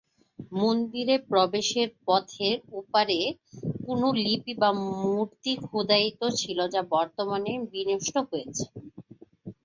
মন্দিরের প্রবেশপথের ওপরে কোন লিপি বা মূর্তি খোদিত ছিল, যা বর্তমানে বিনষ্ট হয়েছে।